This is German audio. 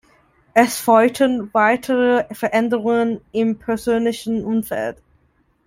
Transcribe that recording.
Es folgten weitere Veränderungen im persönlichen Umfeld.